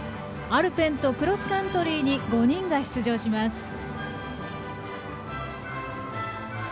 アルペンとクロスカントリーに５人が出場します。